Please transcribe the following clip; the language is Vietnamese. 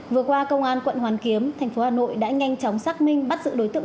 vừa qua công an quận hoàn kiếm thành phố hà nội đã nhanh chóng xác minh bắt giữ đối tượng